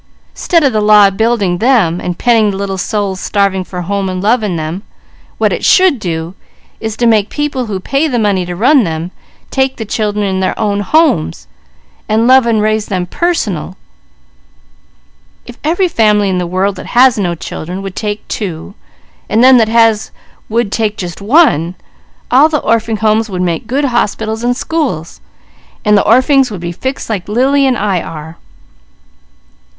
'Stead of the law building them, and penning the little souls starving for home and love in them, what it should do is to make people who pay the money to run them, take the children in their own homes and love and raise them personal. If every family in the world that has no children would take two, and them that has would take just one, all the Orphings' Homes would make good hospitals and schools; while the orphings would be fixed like Lily and I are.